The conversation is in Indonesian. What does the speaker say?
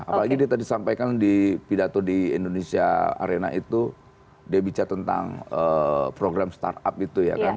apalagi dia tadi sampaikan di pidato di indonesia arena itu dia bicara tentang program startup itu ya kan